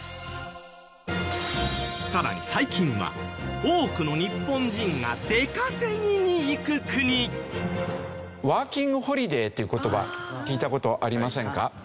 さらに最近は多くの日本人が出稼ぎに行く国。っていう言葉聞いた事ありませんか？